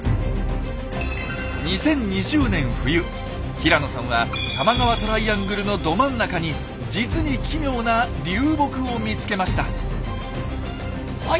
平野さんは多摩川トライアングルのど真ん中に実に奇妙な流木を見つけました。